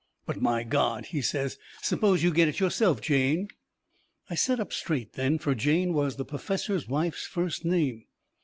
"But, my God," he says, "suppose you get it yourself, Jane!" I set up straight then, fur Jane was the perfessor's wife's first name.